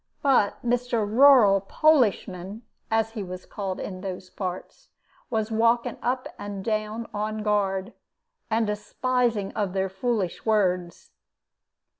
But Mr. Rural Polishman, as he was called in those parts, was walking up and down on guard, and despising of their foolish words.